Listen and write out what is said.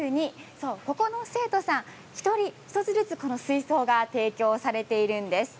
そう、ここの生徒さん１人１つずつこの水槽が提供されているんです。